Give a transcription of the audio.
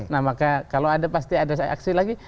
nah maka kalau ada pasti ada aksi lagi